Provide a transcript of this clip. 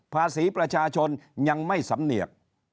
ภาษีประชาชนยังไม่สำเนียก